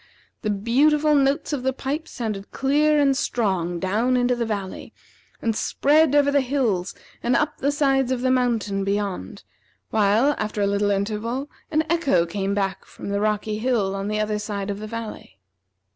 The beautiful notes of the pipes sounded clear and strong down into the valley, and spread over the hills, and up the sides of the mountain beyond, while, after a little interval, an echo came back from the rocky hill on the other side of the valley.